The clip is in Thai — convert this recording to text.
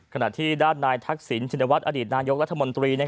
ขณะที่ด้านนายทักษิณชินวัฒนอดีตนายกรัฐมนตรี